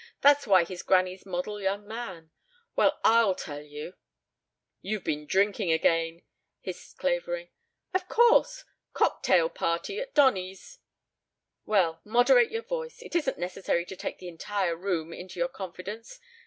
That's why he's granny's model young man. Well, I'll tell you " "You've been drinking again," hissed Clavering. "Of course. Cocktail party at Donny's " "Well, moderate your voice. It isn't necessary to take the entire room into your confidence.